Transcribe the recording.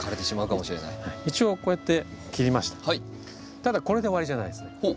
ただこれで終わりじゃないんですね。